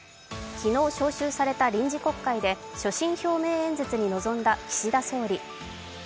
昨日、召集された臨時国会で、所信表明演説に臨んだ岸田総理。